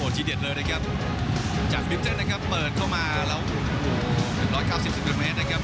ดีเด็ดเลยนะครับจากวิปเตอร์นะครับเปิดเข้ามาแล้วสิบร้อยเก้าสิบสิบเมตรนะครับ